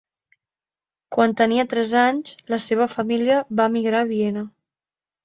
Quan tenia tres anys la seva família va emigrar a Viena.